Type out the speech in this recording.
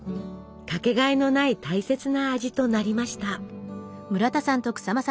掛けがえのない大切な味となりました。